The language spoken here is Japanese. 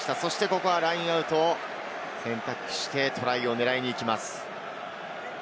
ここはラインアウトを選択して、トライを狙いにいきます。